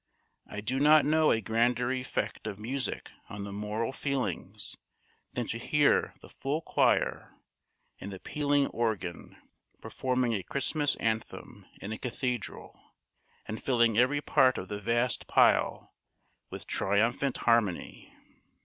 I do not know a grander effect of music on the moral feelings than to hear the full choir and the pealing organ performing a Christmas anthem in a cathedral, and filling every part of the vast pile with triumphant harmony.